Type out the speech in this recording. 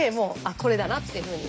これだなっていうふうに。